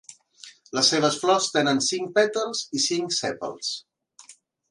Les seves flors tenen cinc pètals i cinc sèpals.